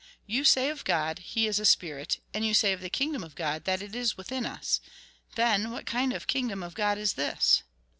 You say of God, He is a spirit, and you say of the kingdom of God, that it is within us. Then, what kind of a kingdom of God is this